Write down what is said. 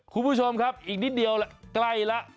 คุณผู้ชมครับอีกนิดเดียวล่ะใกล้แล้ว